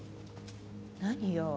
何よ？